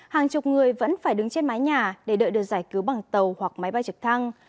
hàng chục người vẫn phải đứng trên mái nhà để đợi được giải cứu bằng tàu hoặc máy bay trực thăng